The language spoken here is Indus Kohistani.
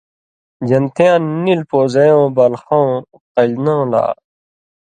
(جنتیان) نیل پوزئ یؤں/بالخؤں (قلیۡنؤں) لا